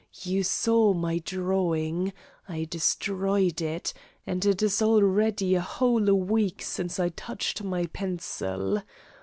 You saw my drawing. I destroyed it, and it is already a whole week since I touched my pencil.